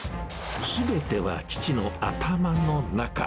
すべては父の頭の中。